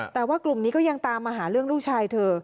แต่ว่ากลุ่มนี้ก็ยังตามมาหาเรื่องลูกชายเธอ